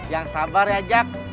yang sabar ya jak